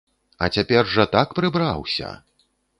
А цяпер жа так прыбраўся!